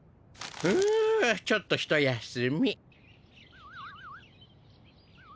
んちょっとひと休み。